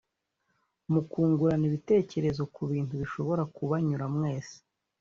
mukungurana ibitekerezo ku bintu bishobora kubanyura mwese